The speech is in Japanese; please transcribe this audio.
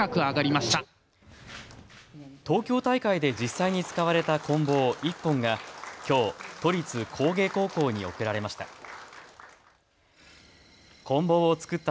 東京大会で実際に使われたこん棒１本がきょう、都立工芸高校に贈られました。